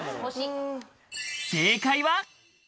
正解は？